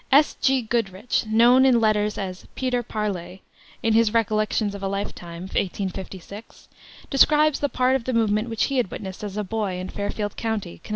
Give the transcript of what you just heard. S. G. Goodrich, known in letters as "Peter Parley," in his Recollections of a Lifetime, 1856, describes the part of the movement which he had witnessed as a boy in Fairfield County, Conn.